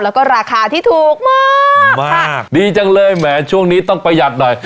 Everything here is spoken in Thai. แล้วก็ราคาที่ถูกมากดีมากดีจังเลยแหมช่วงนี้ต้องประหยัดหน่อย